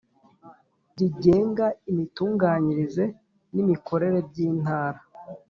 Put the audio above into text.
rigenga imitunganyirize n imikorere by Intara